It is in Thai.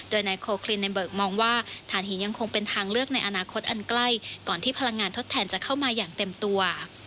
โดยนายโคคลินในเบิกมองว่าฐานหินยังคงเป็นทางเลือกในอนาคตอันใกล้ก่อนที่พลังงานทดแทนจะเข้ามาอย่างเต็มตัว